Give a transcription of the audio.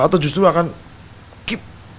atau justru akan keep